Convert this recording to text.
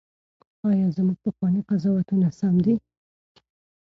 ایا زموږ پخواني قضاوتونه سم دي؟